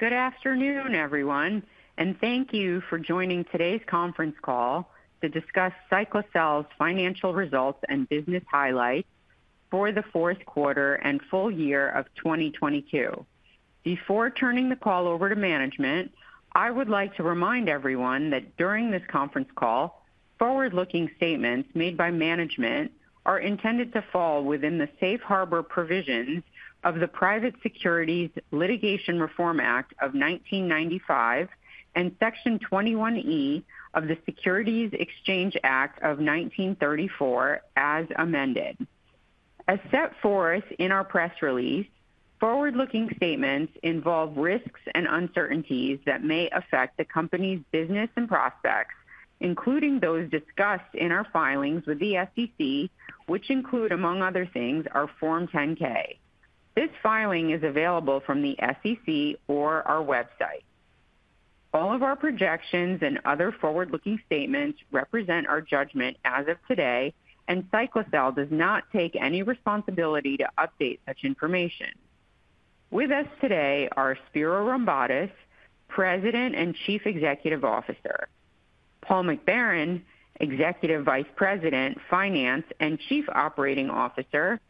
Good afternoon, everyone, and thank you for joining today's conference call to discuss Cyclacel's financial results and business highlights for the fourth quarter and full year of 2022. Before turning the call over to management, I would like to remind everyone that during this conference call, forward-looking statements made by management are intended to fall within the Safe Harbor provisions of the Private Securities Litigation Reform Act of 1995 and Section 21E of the Securities Exchange Act of 1934 as amended. As set forth in our press release, forward-looking statements involve risks and uncertainties that may affect the company's business and prospects, including those discussed in our filings with the SEC, which include, among other things, our Form 10-K. This filing is available from the SEC or our website. All of our projections and other forward-looking statements represent our judgment as of today, and Cyclacel does not take any responsibility to update such information. With us today are Spiro Rombotis, President and Chief Executive Officer, Paul McBarron, Executive Vice President, Finance and Chief Operating Officer,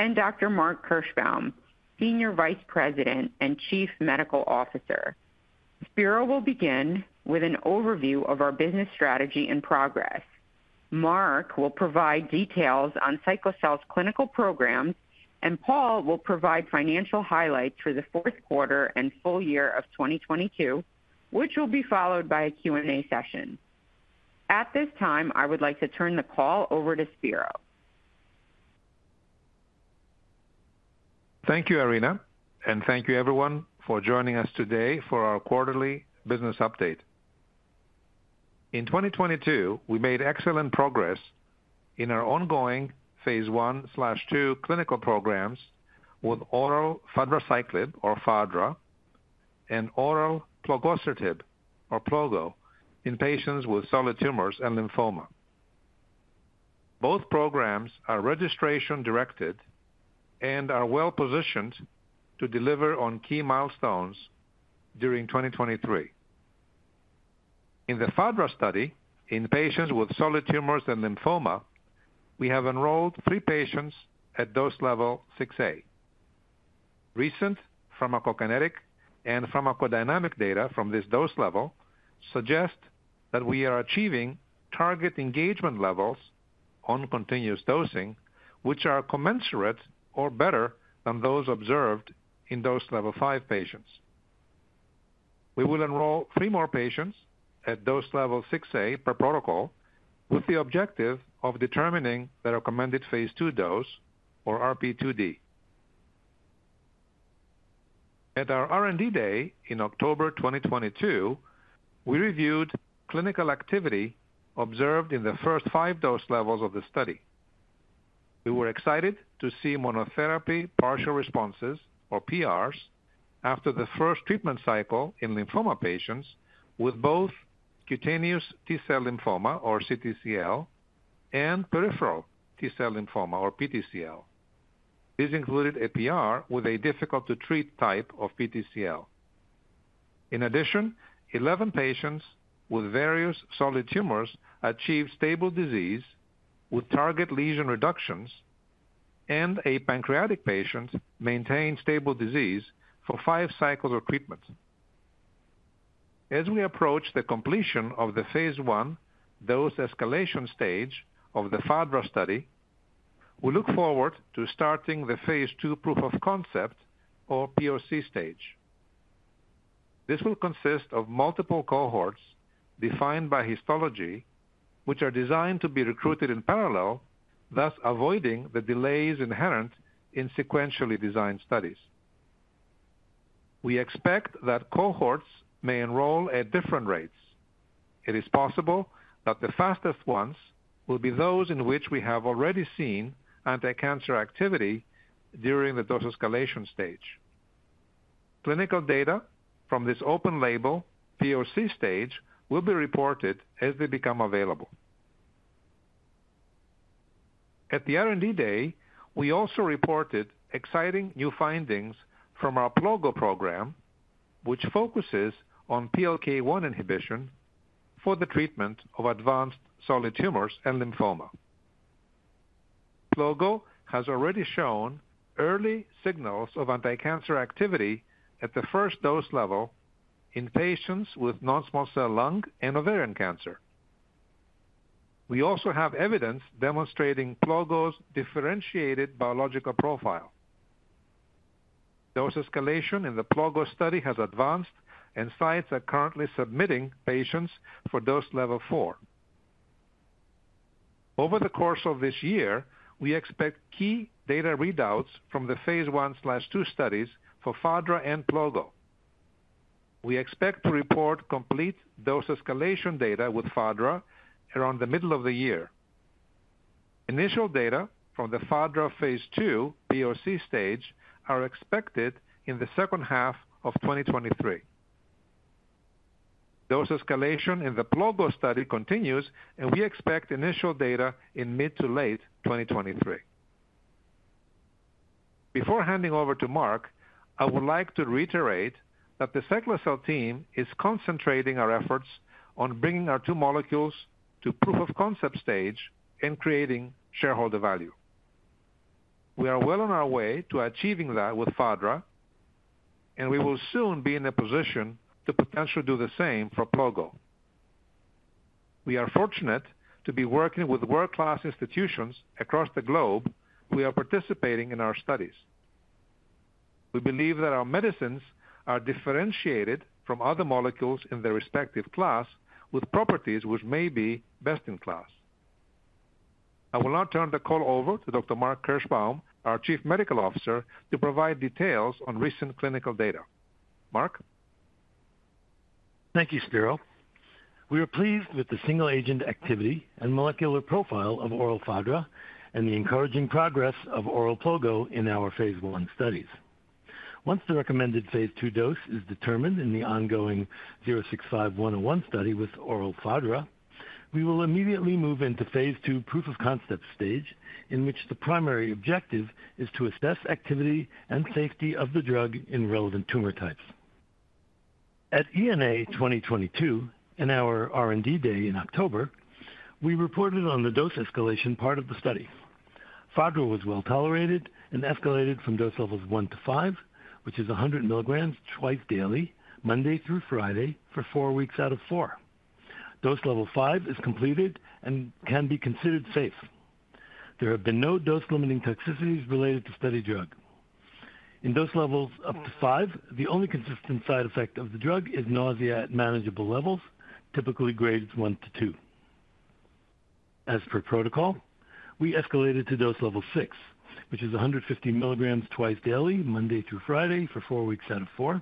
and Dr. Mark Kirschbaum, Senior Vice President and Chief Medical Officer. Spiro will begin with an overview of our business strategy and progress. Mark will provide details on Cyclacel's clinical programs, and Paul will provide financial highlights for the fourth quarter and full year of 2022, which will be followed by a Q&A session. At this time, I would like to turn the call over to Spiro. Thank you, Irina. Thank you everyone for joining us today for our quarterly business update. In 2022, we made excellent progress in our ongoing phase I/II clinical programs with oral fadraciclib, or fadra, and oral plogosertib, or plogo, in patients with solid tumors and lymphoma. Both programs are registration-directed and are well-positioned to deliver on key milestones during 2023. In the fadra study in patients with solid tumors and lymphoma, we have enrolled three patients at dose level 6A. Recent pharmacokinetic and pharmacodynamic data from this dose level suggest that we are achieving target engagement levels on continuous dosing, which are commensurate or better than those observed in dose level 5 patients. We will enroll three more patients at dose level 6A per protocol with the objective of determining the recommended phase II dose or RP2D. At our R&D day in October 2022, we reviewed clinical activity observed in the first five dose levels of the study. We were excited to see monotherapy partial responses or PRs after the first treatment cycle in lymphoma patients with both cutaneous T-cell lymphoma or CTCL and peripheral T-cell lymphoma or PTCL. This included a PR with a difficult-to-treat type of PTCL. In addition, 11 patients with various solid tumors achieved stable disease with target lesion reductions and a pancreatic patient maintained stable disease for five cycles of treatment. As we approach the completion of the phase II dose escalation stage of the fadra study, we look forward to starting the phase II proof of concept or PoC stage. This will consist of multiple cohorts defined by histology, which are designed to be recruited in parallel, thus avoiding the delays inherent in sequentially designed studies. We expect that cohorts may enroll at different rates. It is possible that the fastest ones will be those in which we have already seen anticancer activity during the dose escalation stage. Clinical data from this open label PoC stage will be reported as they become available. At the R&D day, we also reported exciting new findings from our plogo program, which focuses on PLK1 inhibition for the treatment of advanced solid tumors and lymphoma. Plogo has already shown early signals of anticancer activity at the first dose level in patients with non-small cell lung cancer and ovarian cancer. We also have evidence demonstrating plogo's differentiated biological profile. Dose escalation in the plogo study has advanced, and sites are currently submitting patients for dose level 4. Over the course of this year, we expect key data readouts from the phase I/II studies for fadra and plogo. We expect to report complete dose escalation data with fadra around the middle of the year. Initial data from the fadra phase II PoC stage are expected in the second half of 2023. Dose escalation in the plogo study continues, and we expect initial data in mid to late 2023. Before handing over to Mark, I would like to reiterate that the Cyclacel team is concentrating our efforts on bringing our two molecules to proof of concept stage in creating shareholder value. We are well on our way to achieving that with fadra, and we will soon be in a position to potentially do the same for plogo. We are fortunate to be working with world-class institutions across the globe who are participating in our studies. We believe that our medicines are differentiated from other molecules in their respective class with properties which may be best in class. I will now turn the call over to Dr. Mark Kirschbaum, our Chief Medical Officer, to provide details on recent clinical data. Mark? Thank you, Spiro. We are pleased with the single-agent activity and molecular profile of oral fadra and the encouraging progress of oral plogo in our phase I studies. Once the recommended phase II dose is determined in the ongoing 065-101 study with oral fadra, we will immediately move into phase II proof of concept stage, in which the primary objective is to assess activity and safety of the drug in relevant tumor types. At ENA 2022, in our R&D Day in October, we reported on the dose escalation part of the study. fadra was well-tolerated and escalated from dose levels 1-5, which is 100 mg twice daily, Monday through Friday, for four weeks out of four. Dose level 5 is completed and can be considered safe. There have been no dose-limiting toxicities related to study drug. In dose levels up to 5, the only consistent side effect of the drug is nausea at manageable levels, typically grades 1-2. As per protocol, we escalated to dose level 6, which is 150 mg twice daily, Monday through Friday, for four weeks out of four.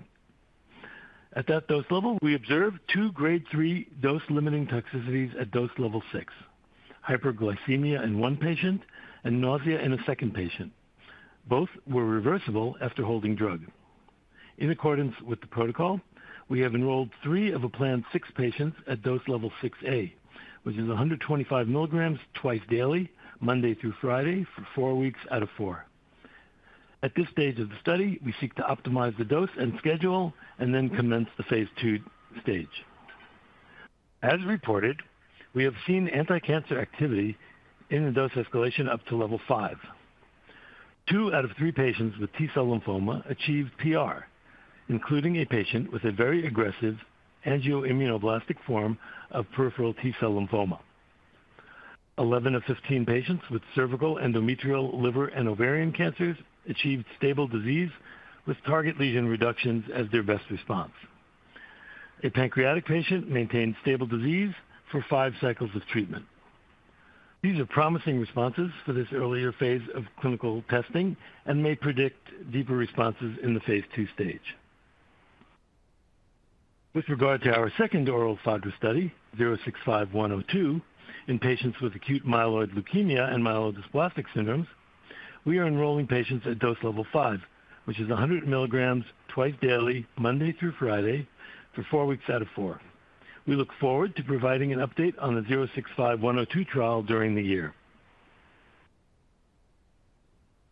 At that dose level, we observed two grade 3 dose-limiting toxicities at dose level 6, hyperglycemia in one patient and nausea in a second patient. Both were reversible after holding drug. In accordance with the protocol, we have enrolled three of a planned six patients at dose level 6A, which is 125 mg twice daily, Monday through Friday, for four weeks out of four. At this stage of the study, we seek to optimize the dose and schedule and then commence the phase II stage. As reported, we have seen anticancer activity in the dose escalation up to level 5. Two out of three patients with T-cell lymphoma achieved PR, including a patient with a very aggressive angioimmunoblastic form of peripheral T-cell lymphoma. 11 of 15 patients with cervical, endometrial, liver, and ovarian cancers achieved stable disease with target lesion reductions as their best response. A pancreatic patient maintained stable disease for five cycles of treatment. These are promising responses for this earlier phase of clinical testing and may predict deeper responses in the phase II stage. With regard to our second oral fadra study, 065-102, in patients with acute myeloid leukemia and myelodysplastic syndromes, we are enrolling patients at dose level 5, which is 100 mg twice daily, Monday through Friday, for four weeks out of four. We look forward to providing an update on the 065-102 trial during the year.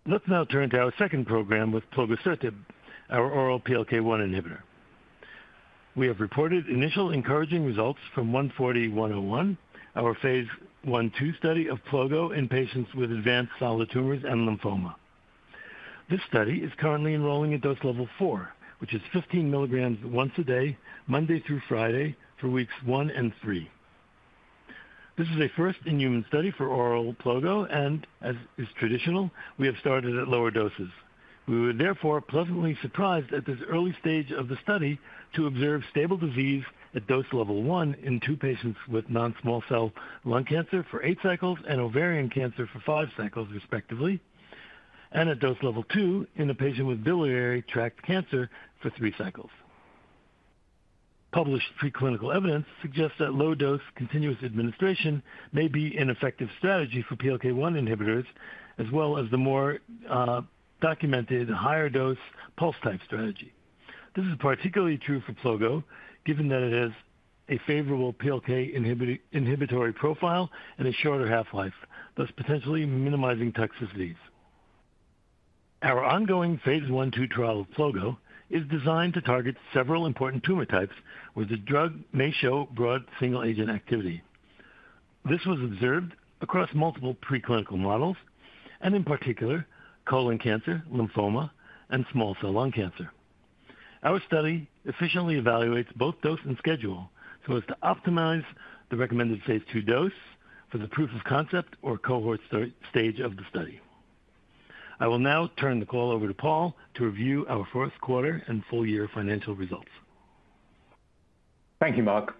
Let's now turn to our second program with plogosertib, our oral PLK1 inhibitor. We have reported initial encouraging results from 140-101, our phase I/II study of plogo in patients with advanced solid tumors and lymphoma. This study is currently enrolling at dose level 4, which is 15 mg once a day, Monday through Friday, for weeks one and three. This is a first-in-human study for oral plogo and, as is traditional, we have started at lower doses. We were therefore pleasantly surprised at this early stage of the study to observe stable disease at dose level 1 in 2 patients with non-small cell lung cancer for eight cycles and ovarian cancer for five cycles, respectively, and at dose level 2 in a patient with biliary tract cancer for three cycles. Published preclinical evidence suggests that low dose continuous administration may be an effective strategy for PLK1 inhibitors, as well as the more documented higher dose pulse type strategy. This is particularly true for plogo, given that it has a favorable PLK1 inhibitory profile and a shorter half-life, thus potentially minimizing toxicities. Our ongoing phase I/II trial of plogo is designed to target several important tumor types where the drug may show broad single-agent activity. This was observed across multiple pre-clinical models and in particular colon cancer, lymphoma, and small cell lung cancer. Our study efficiently evaluates both dose and schedule so as to optimize the recommended phase II dose for the proof of concept or cohort stage of the study. I will now turn the call over to Paul to review our fourth quarter and full year financial results. Thank you, Mark.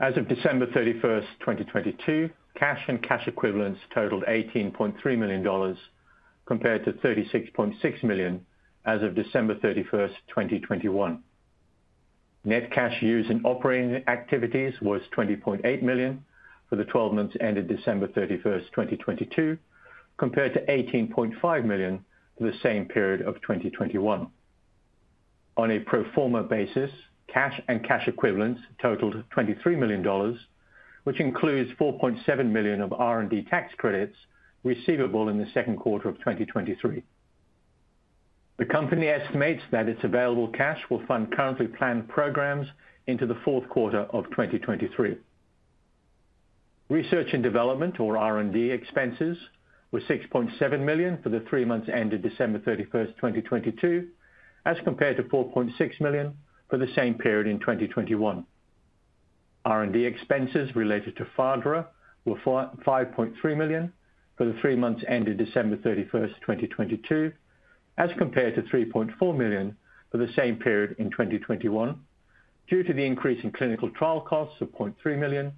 As of December 31st, 2022, cash and cash equivalents totaled $18.3 million compared to $36.6 million as of December 31st, 2021. Net cash used in operating activities was $20.8 million for the 12 months ended December 31st, 2022, compared to $18.5 million for the same period of 2021. On a pro forma basis, cash and cash equivalents totaled $23 million, which includes $4.7 million of R&D tax credits receivable in the second quarter of 2023. The company estimates that its available cash will fund currently planned programs into the fourth quarter of 2023. Research and development, or R&D, expenses were $6.7 million for the three months ended December 31st, 2022, as compared to $4.6 million for the same period in 2021. R&D expenses related to fadra were $5.3 million for the three months ended December 31st, 2022, as compared to $3.4 million for the same period in 2021 due to the increase in clinical trial costs of $0.3 million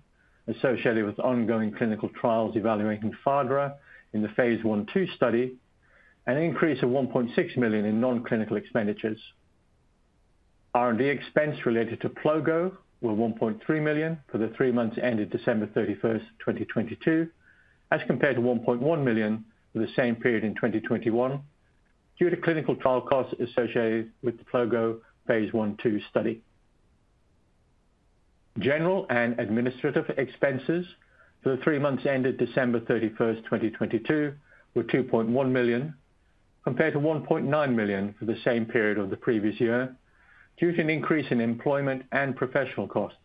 associated with ongoing clinical trials evaluating fadra in the phase I/II study, an increase of $1.6 million in non-clinical expenditures. R&D expense related to plogo were $1.3 million for the three months ended December 31st, 2022, as compared to $1.1 million for the same period in 2021 due to clinical trial costs associated with the plogo phase I/II study. General and administrative expenses for the three months ended December 31st, 2022 were $2.1 million compared to $1.9 million for the same period of the previous year due to an increase in employment and professional costs.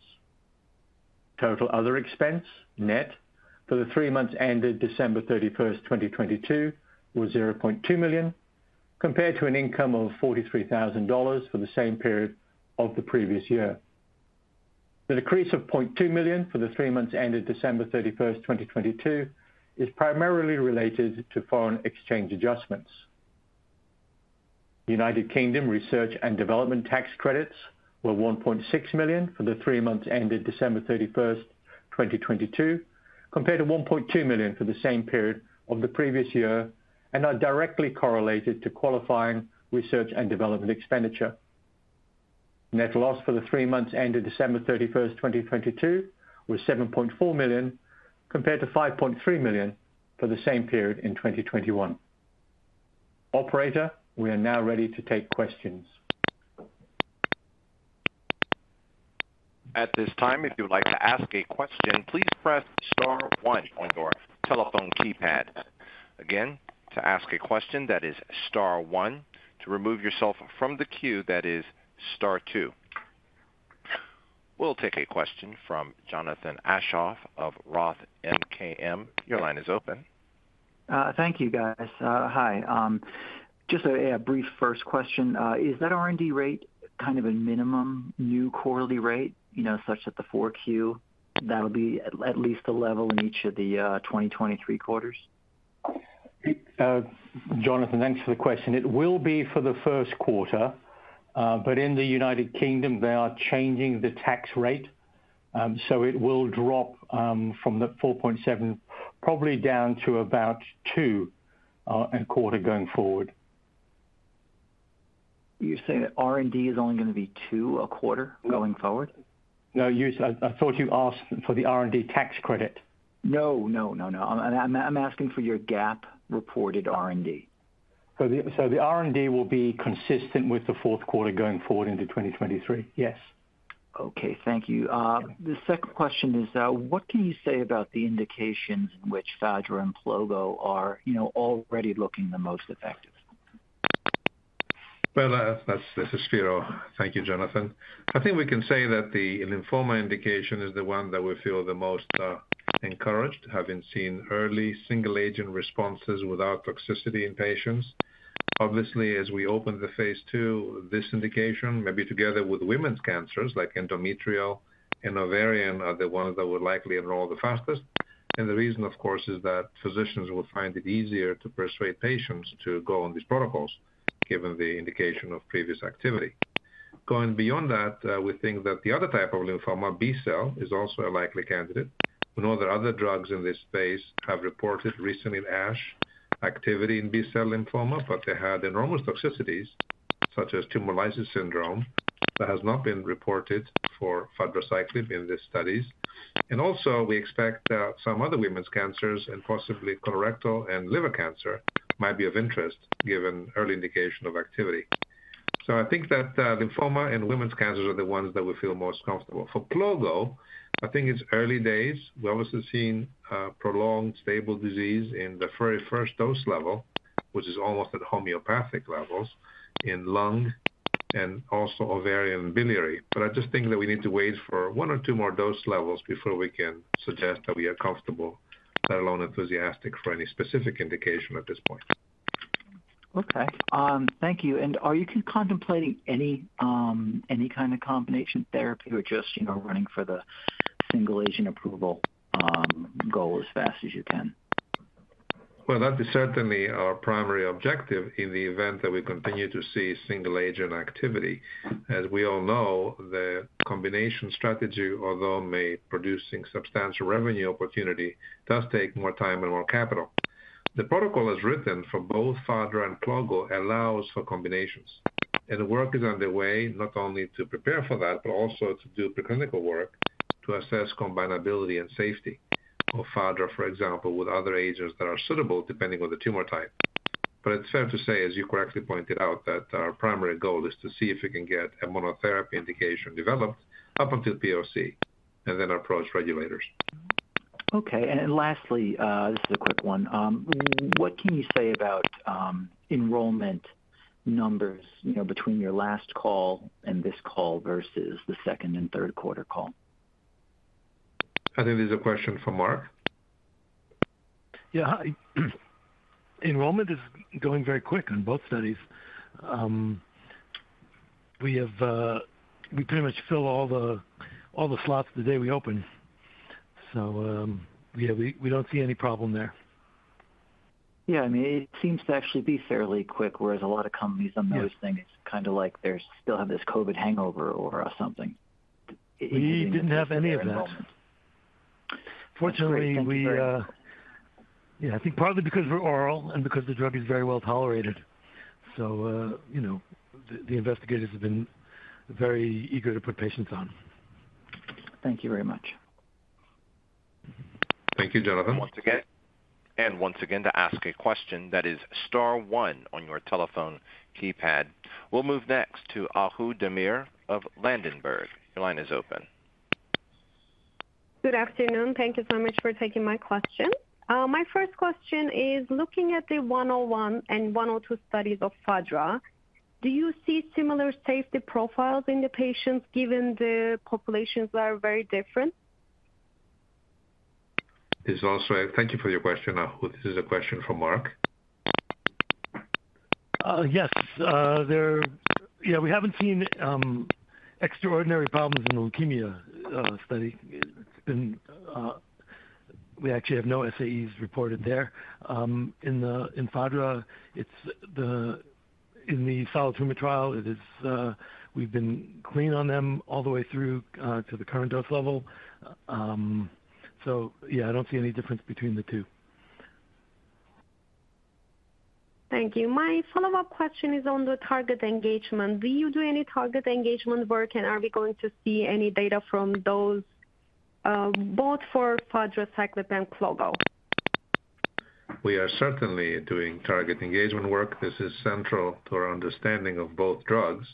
Total other expense net for the three months ended December 31st, 2022 was $0.2 million compared to an income of $43,000 for the same period of the previous year. The decrease of $0.2 million for the three months ended December 31st, 2022 is primarily related to foreign exchange adjustments. United Kingdom research and development tax credits were $1.6 million for the three months ended December 31st, 2022, compared to $1.2 million for the same period of the previous year and are directly correlated to qualifying research and development expenditure. Net loss for the three months ended December 31st, 2022 was $7.4 million compared to $5.3 million for the same period in 2021. Operator, we are now ready to take questions. At this time, if you would like to ask a question, please press star one on your telephone keypad. Again, to ask a question that is star one. To remove yourself from the queue that is star two. We'll take a question from Jonathan Aschoff of ROTH MKM. Your line is open. Thank you, guys. Hi. Just a brief first question. Is that R&D rate kind of a minimum new quarterly rate? You know, such that the 4Q that'll be at least a level in each of the 2023 quarters. Jonathan, thanks for the question. It will be for the first quarter, but in the United Kingdom they are changing the tax rate, so it will drop from $4.7 million probably down to about $2 million a quarter going forward. You're saying that R&D is only gonna be $2 million a quarter going forward? No, I thought you asked for the R&D tax credit. No, no, no. I'm, I'm asking for your GAAP reported R&D. The R&D will be consistent with the fourth quarter going forward into 2023. Yes. Okay. Thank you. The second question is, what can you say about the indications in which fadra and plogo are, you know, already looking the most effective? This is Spiro. Thank you, Jonathan. I think we can say that the lymphoma indication is the one that we feel the most encouraged, having seen early single-agent responses without toxicity in patients. Obviously, as we open the phase II, this indication maybe together with women's cancers like endometrial and ovarian, are the ones that will likely enroll the fastest. The reason of course is that physicians will find it easier to persuade patients to go on these protocols given the indication of previous activity. Going beyond that, we think that the other type of lymphoma B-cell is also a likely candidate. We know that other drugs in this space have reported recent in ASH activity in B-cell lymphoma, but they had enormous toxicities such as tumor lysis syndrome that has not been reported for fadraciclib in these studies. We expect some other women's cancers and possibly colorectal and liver cancer might be of interest given early indication of activity. Lymphoma and women's cancers are the ones that we feel most comfortable. For plogo, I think it's early days. We're also seeing prolonged stable disease in the very first dose level, which is almost at homeopathic levels in lung and also ovarian and biliary. We need to wait for one or two more dose levels before we can suggest that we are comfortable, let alone enthusiastic, for any specific indication at this point. Okay. Thank you. Are you contemplating any kind of combination therapy or just, you know, running for the single agent approval goal as fast as you can? That is certainly our primary objective in the event that we continue to see single agent activity. We all know, the combination strategy, although may producing substantial revenue opportunity, does take more time and more capital. The protocol as written for both fadra and plogo allows for combinations, and work is underway not only to prepare for that, but also to do preclinical work to assess combinability and safety of fadra, for example, with other agents that are suitable depending on the tumor type. It's fair to say, as you correctly pointed out, that our primary goal is to see if we can get a monotherapy indication developed up until PoC, and then approach regulators. Okay. Lastly, this is a quick one. What can you say about enrollment numbers, you know, between your last call and this call versus the second and third quarter call? I think this is a question for Mark. Yeah. Enrollment is going very quick on both studies. We pretty much fill all the slots the day we open. Yeah, we don't see any problem there. Yeah, I mean, it seems to actually be fairly quick, whereas a lot of companies I'm noticing... Yeah Kinda like they still have this COVID hangover or, something. We didn't have any of that. That's great. Thank you very much. Fortunately, we, yeah, I think partly because we're oral and because the drug is very well tolerated. You know, the investigators have been very eager to put patients on. Thank you very much. Thank you, Jonathan. Once again, to ask a question, that is star one on your telephone keypad. We'll move next to Ahu Demir of Ladenburg. Your line is open. Good afternoon. Thank you so much for taking my question. My first question is looking at the 065-101 and 065-102 studies of fadra, do you see similar safety profiles in the patients given the populations are very different? Thank you for your question, Ahu. This is a question for Mark. Yes. Yeah, we haven't seen extraordinary problems in the leukemia study. We actually have no SAEs reported there. In fadra, in the solid tumor trial, we've been clean on them all the way through to the current dose level. Yeah, I don't see any difference between the two. Thank you. My follow-up question is on the target engagement. Do you do any target engagement work, and are we going to see any data from those, both for fadraciclib and plogo? We are certainly doing target engagement work. This is central to our understanding of both drugs.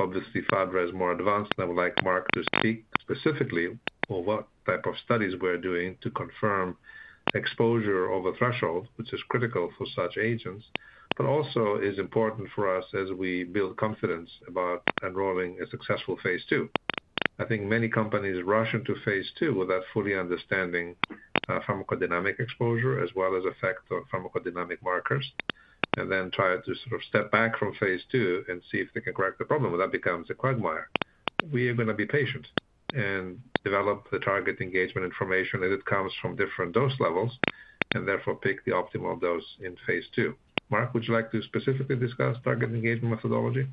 Obviously, fadra is more advanced, and I would like Mark to speak specifically on what type of studies we're doing to confirm exposure over threshold, which is critical for such agents, but also is important for us as we build confidence about enrolling a successful phase II. I think many companies rush into phase II without fully understanding pharmacodynamic exposure as well as effect on pharmacodynamic markers, and then try to sort of step back from phase II and see if they can correct the problem. Well, that becomes a quagmire. We are gonna be patient and develop the target engagement information as it comes from different dose levels and therefore pick the optimal dose in phase II. Mark, would you like to specifically discuss target engagement methodology?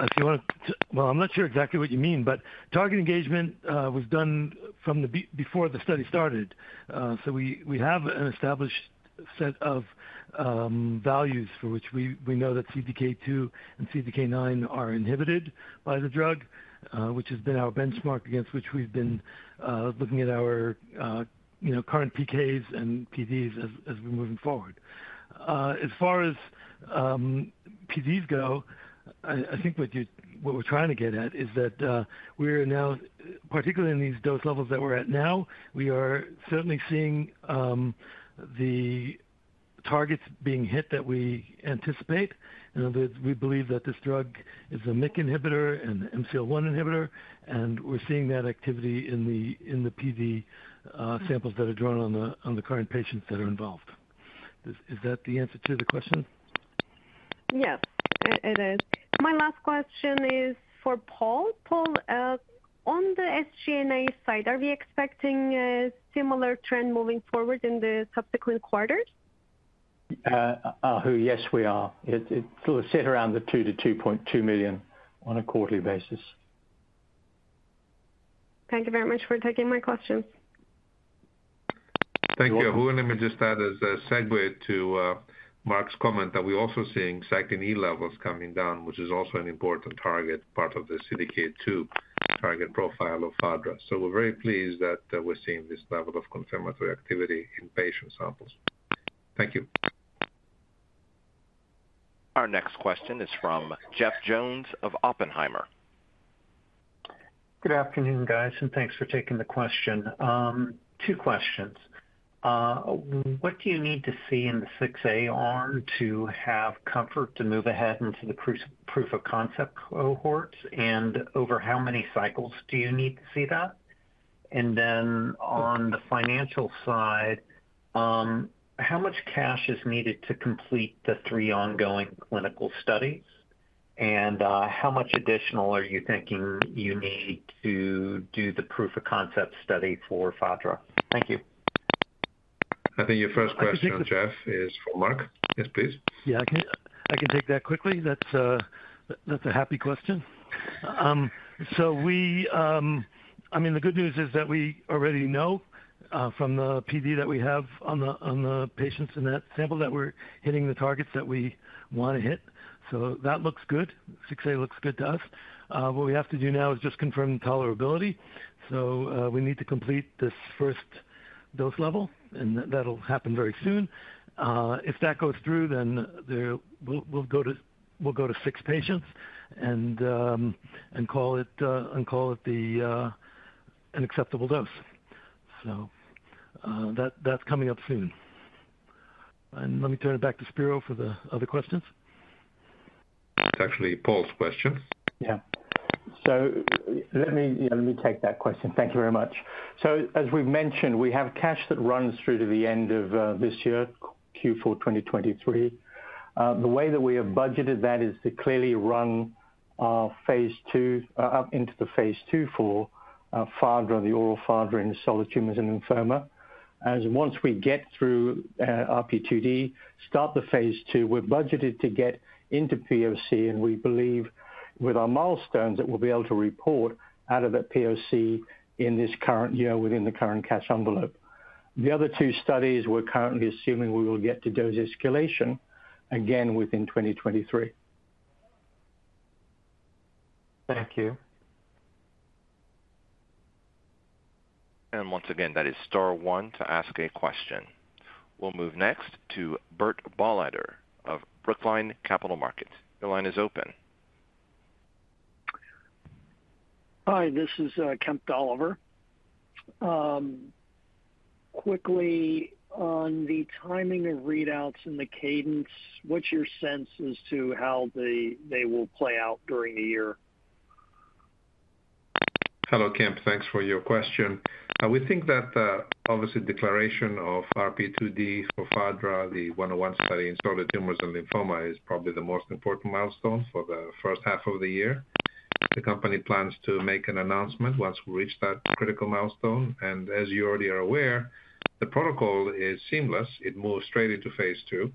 If you want to. Well, I'm not sure exactly what you mean, but target engagement was done from before the study started. We have an established set of values for which we know that CDK2 and CDK9 are inhibited by the drug, which has been our benchmark against which we've been looking at our, you know, current PKs and PDs as we're moving forward. As far as PDs go, I think what you, what we're trying to get at is that we're now, particularly in these dose levels that we're at now, we are certainly seeing the targets being hit that we anticipate. In other words, we believe that this drug is a MEK inhibitor and MCL-1 inhibitor, and we're seeing that activity in the PD samples that are drawn on the current patients that are involved. Is that the answer to the question? Yes, it is. My last question is for Paul. Paul, on the SG&A side, are we expecting a similar trend moving forward in the subsequent quarters? Ahu, yes, we are. It sort of sit around $2 million-$2.2 million on a quarterly basis. Thank you very much for taking my questions. Thank you, Ahu. Let me just add as a segue to Mark's comment that we're also seeing Cyclin E levels coming down, which is also an important target part of the CDK2 target profile of fadra. We're very pleased that we're seeing this level of confirmatory activity in patient samples. Thank you. Our next question is from Jeff Jones of Oppenheimer. Good afternoon, guys, thanks for taking the question. Two questions. What do you need to see in the six AR to have comfort to move ahead into the proof of concept cohorts? Over how many cycles do you need to see that? On the financial side, how much cash is needed to complete the three ongoing clinical studies? How much additional are you thinking you need to do the proof of concept study for fadra? Thank you. I think your first question, Jeff, is for Mark. Yes, please. Yeah, I can take that quickly. That's a happy question. I mean, the good news is that we already know from the PD that we have on the patients in that sample that we're hitting the targets that we wanna hit. That looks good. 6A looks good to us. What we have to do now is just confirm tolerability. We need to complete this first dose level, and that'll happen very soon. If that goes through, we'll go to six patients and call it an acceptable dose. That's coming up soon. Let me turn it back to Spiro for the other questions. It's actually Paul's question. Yeah. Let me, yeah, let me take that question. Thank you very much. As we've mentioned, we have cash that runs through to the end of this year, Q4 2023. The way that we have budgeted that is to clearly run our phase II up into the phase II for fadra, the oral fadra in the solid tumors and lymphoma. As once we get through RP2D, start the phase II, we're budgeted to get into PoC, and we believe with our milestones that we'll be able to report out of that PoC in this current year within the current cash envelope. The other two studies we're currently assuming we will get to dose escalation again within 2023. Thank you. Once again, that is star one to ask a question. We'll move next to Kemp Dolliver of Brookline Capital Markets. Your line is open. Hi, this is Kemp Dolliver. Quickly on the timing of readouts and the cadence, what's your sense as to how they will play out during the year? Hello, Kemp. Thanks for your question. We think that obviously declaration of RP2D for fadra, the 065-101 study in solid tumors and lymphoma, is probably the most important milestone for the first half of the year. The company plans to make an announcement once we reach that critical milestone. As you already are aware, the protocol is seamless. It moves straight into phase II.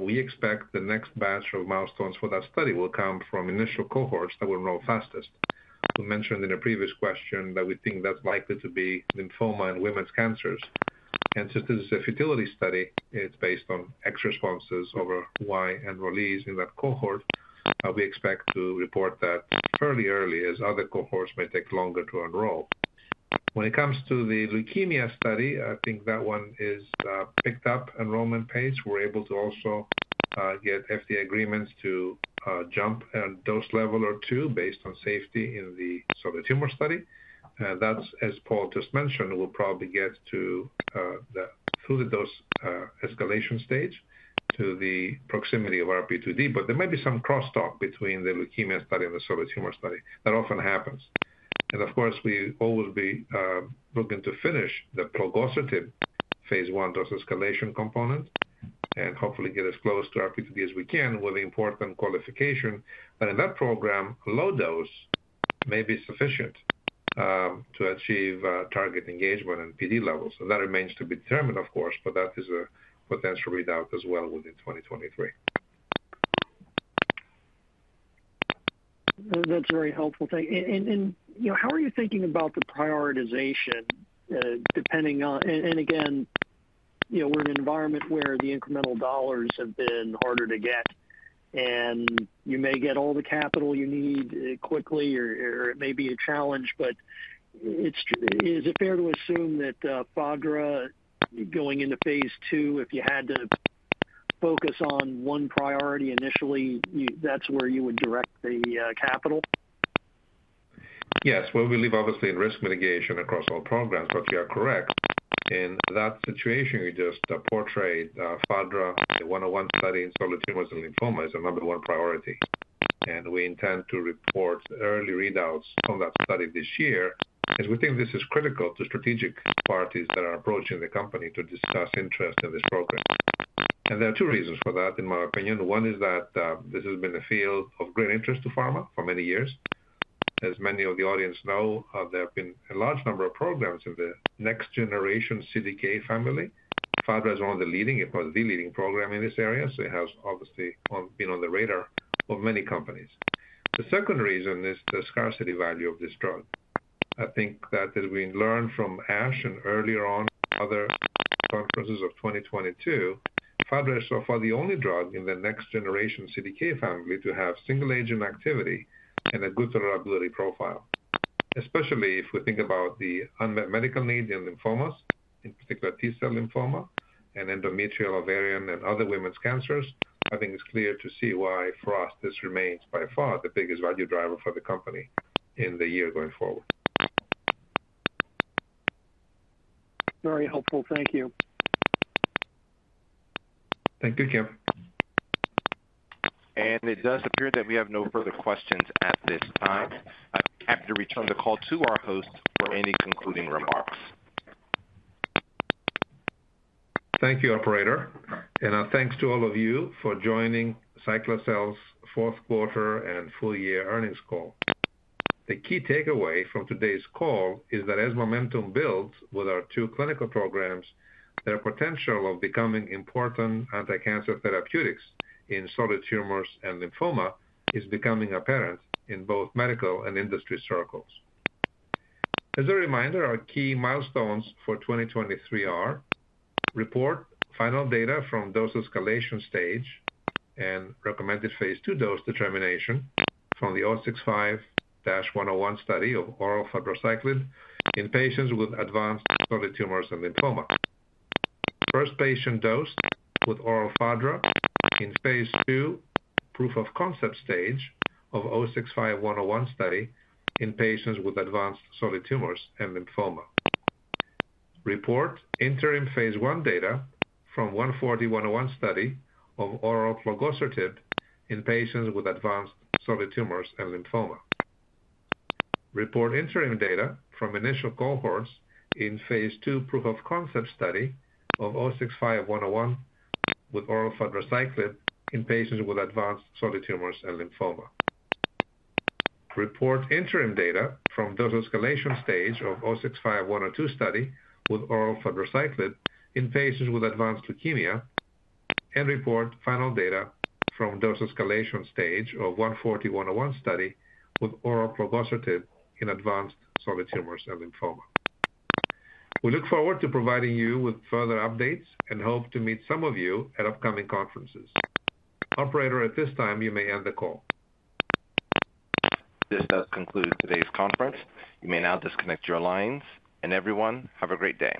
We expect the next batch of milestones for that study will come from initial cohorts that will roll fastest. We mentioned in a previous question that we think that's likely to be lymphoma and women's cancers. Since it's a futility study, it's based on X responses over Y enrollees in that cohort, we expect to report that fairly early as other cohorts may take longer to enroll. When it comes to the leukemia study, I think that one is picked up enrollment pace. We're able to also get FDA agreements to jump a dose level or two based on safety in the solid tumor study. That's as Paul just mentioned, we'll probably get to the through the dose escalation stage to the proximity of RP2D. There may be some crosstalk between the leukemia study and the solid tumor study. That often happens. Of course, we always be looking to finish the plogosertib phase I dose escalation component and hopefully get as close to RP2D as we can with important qualification. In that program, low dose may be sufficient to achieve target engagement and PD levels. That remains to be determined, of course, but that is a potential readout as well within 2023. That's very helpful. Thank you. You know, how are you thinking about the prioritization, depending on, again, you know, we're in an environment where the incremental dollars have been harder to get. And you may get all the capital you need, quickly or it may be a challenge. Is it fair to assume that fadra going into phase II, if you had to focus on one priority initially, that's where you would direct the capital? Yes. Well, we live obviously in risk mitigation across all programs. You are correct. In that situation you just portrayed, fadra, the 065-101 study in solid tumors and lymphoma is a number one priority. We intend to report early readouts from that study this year, as we think this is critical to strategic parties that are approaching the company to discuss interest in this program. There are two reasons for that in my opinion. One is that this has been a field of great interest to pharma for many years. As many of the audience know, there have been a large number of programs in the next generation CDK family. Fadra is one of the leading, if not the leading program in this area. It has obviously been on the radar of many companies. The second reason is the scarcity value of this drug. I think that as we learn from ASH and earlier on other conferences of 2022, fadra is so far the only drug in the next generation CDK family to have single agent activity and a good tolerability profile. Especially if we think about the unmet medical need in lymphomas, in particular T-cell lymphoma and endometrial, ovarian, and other women's cancers. I think it's clear to see why for us this remains by far the biggest value driver for the company in the year going forward. Very helpful. Thank you. Thank you, Kemp. It does appear that we have no further questions at this time. I have to return the call to our host for any concluding remarks. Thank you, operator. Our thanks to all of you for joining Cyclacel's fourth quarter and full year earnings call. The key takeaway from today's call is that as momentum builds with our two clinical programs, their potential of becoming important anticancer therapeutics in solid tumors and lymphoma is becoming apparent in both medical and industry circles. As a reminder, our key milestones for 2023 are report final data from dose escalation stage and recommended phase II dose determination from the 065-101 study of oral fadraciclib in patients with advanced solid tumors and lymphoma. First patient dose with oral fadra in phase II proof of concept stage of 065-101 study in patients with advanced solid tumors and lymphoma. Report interim phase I data from 140-101 study of oral plogosertib in patients with advanced solid tumors and lymphoma. Report interim data from initial cohorts in phase II proof of concept study of 065-101 with oral fadraciclib in patients with advanced solid tumors and lymphoma. Report interim data from dose escalation stage of 065-102 study with oral fadraciclib in patients with advanced leukemias. Report final data from dose escalation stage of 140-101 study with oral plogosertib in advanced solid tumors and lymphoma. We look forward to providing you with further updates and hope to meet some of you at upcoming conferences. Operator, at this time, you may end the call. This does conclude today's conference. You may now disconnect your lines, and everyone, have a great day.